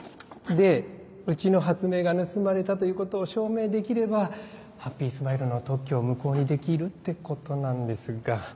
でうちの発明が盗まれたということを証明できればハッピースマイルの特許を無効にできるってことなんですが。